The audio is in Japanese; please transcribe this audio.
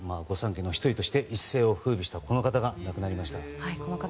御三家の１人として一世を風靡したこの方が亡くなりました。